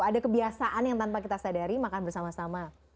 ada kebiasaan yang tanpa kita sadari makan bersama sama